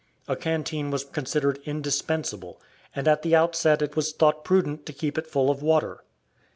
A canteen was considered indispensable, and at the outset it was thought prudent to keep it full of water.